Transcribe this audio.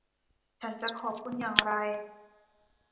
ฉันจะขอบคุณอย่างไร